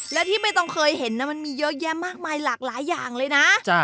และที่ไม่ต้องเคยเห็นมันมีเยอะแยะมากมายหลากหลายอย่างเลยนะ